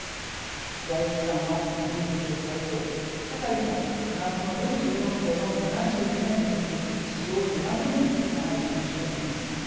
在位期間はイギリス最長世界でもフランスのルイ１４世の７２年に次ぐ史上２番目に長い君主となりました。